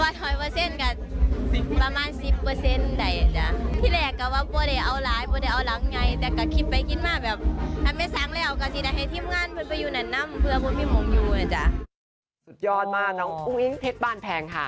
สุดยอดมากน้องอุ้งอิงเพชรบ้านแพงค่ะ